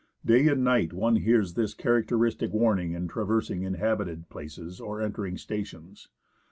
Day and night one hears this characteristic warning in traversing inhabited places or entering stations.